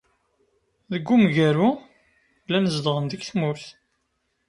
Deg umgaru, llan zedɣen deg tmurt.